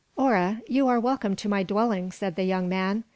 "Hora, you are welcome to my dwelling," said the young man.